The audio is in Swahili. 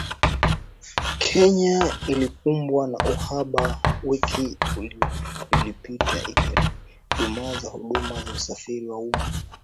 Kenya ilikumbwa na uhaba wiki iliyopita, ikidumaza huduma za usafiri wa umma.